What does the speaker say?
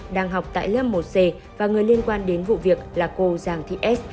đang học tại lớp một c và người liên quan đến vụ việc là cô giàng thị s